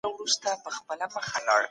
عدالت د اسلامي نظام اساس دی.